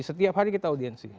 setiap hari kita audiensi